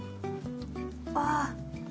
ああ！